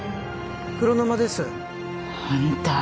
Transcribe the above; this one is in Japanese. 黒沼ですあんた